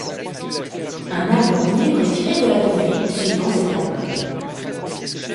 Un album live est tiré de la tournée suivant cet album.